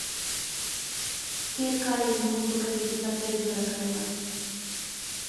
تېر کال يې زموږ په کلي کې څپلۍ جوړه کړې وه.